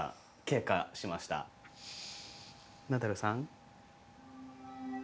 ナダルさん？